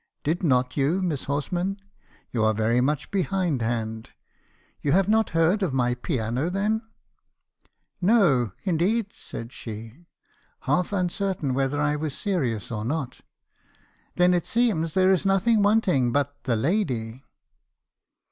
"'Did not you, Miss Horsman? You are very much behind hand. You have not heard of my piano , then ?' "'No, indeed,' said she, half uncertain whether I was serious or not. 'Then it seems there is nothing wanting but the lady.'